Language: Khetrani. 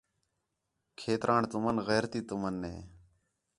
کھیتران تُمن غیرتی تُمن ہے